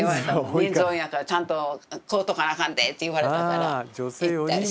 「人数多いんやからちゃんと買うとかなあかんで」って言われたから行ったりしたな。